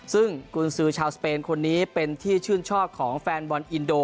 ซึ่งกุญสือชาวสเปนคนนี้เป็นที่ชื่นชอบของแฟนบอลอินโด